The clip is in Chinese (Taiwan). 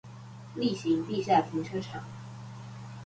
力行地下停車場